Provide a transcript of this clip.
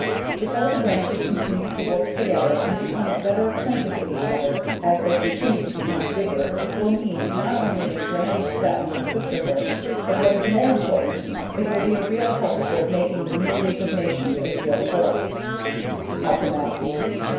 _ _If all the branches continue to work together and become better acquainted with each other as they continue to become bigger it will mean not only a grand step for the sisterhood, but what is more important it will be a real help toward making the new League of Nations a living force._ _How can that be?